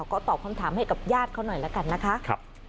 ก็ตอบคำถามให้กับญาติเขาหน่อยละกันนะคะ